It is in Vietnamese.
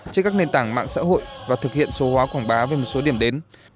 trên các nền tảng mạng xã hội và thực hiện số hóa quảng bá về một số điểm đến